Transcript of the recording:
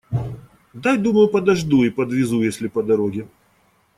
Дай, думаю, подожду и подвезу, если по дороге.